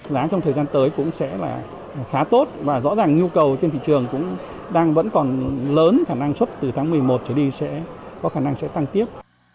giá trong thời gian tới cũng sẽ là khá tốt và rõ ràng nhu cầu trên thị trường cũng đang vẫn còn lớn khả năng xuất từ tháng một mươi một trở đi sẽ có khả năng sẽ tăng tiếp